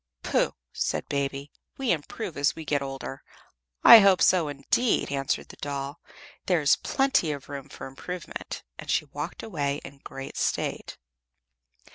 "Pooh!" said Baby. "We improve as we get older." "I hope so, indeed," answered the doll. "There is plenty of room for improvement." And she walked away in great state.